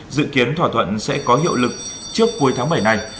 dự kiến thỏa thuận sẽ có hiệu lực trước cuối tháng bảy này